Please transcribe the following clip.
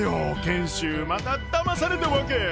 賢秀まただまされたわけ！